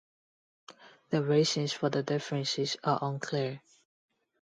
The reasons for the differences are unclear.